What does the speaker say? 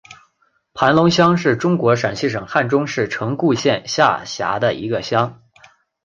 盘龙乡是中国陕西省汉中市城固县下辖的一个乡。